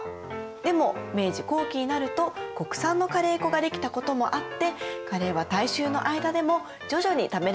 でも明治後期になると国産のカレー粉が出来たこともあってカレーは大衆の間でも徐々に食べられるようになりました。